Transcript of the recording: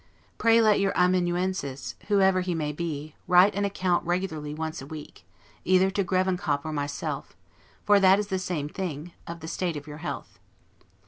Pray let your amanuensis, whoever he may be, write an account regularly once a week, either to Grevenkop or myself, for that is the same thing, of the state of your health.